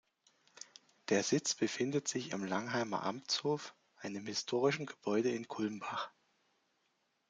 Der Sitz befindet sich im Langheimer Amtshof, einem historischen Gebäude in Kulmbach.